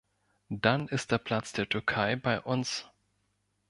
Dann ist der Platz der Türkei bei uns!